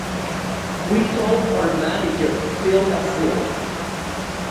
We told our manager, Phil Basile.